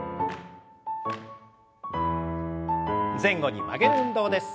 前後に曲げる運動です。